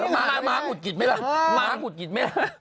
เม้าหมาวุ่ดกิดไม่เล่า